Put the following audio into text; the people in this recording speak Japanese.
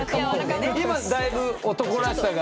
今だいぶ男らしさが。